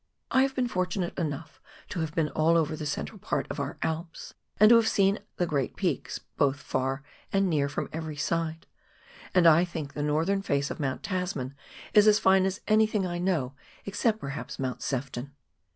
I have been fortunate enough to have been all over the central part of our Alps and to have seen the great peaks both far and near from every side ; and I think the northern face of Mount Tasman is as fine as anything I know, except perhaps Mount Sefton.